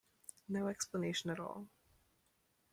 No explanation at all.